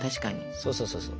そうそうそうそう。